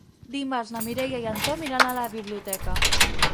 Dimarts na Mireia i en Tom iran a la biblioteca.